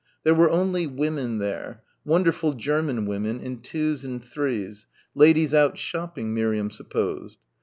There were only women there wonderful German women in twos and threes ladies out shopping, Miriam supposed.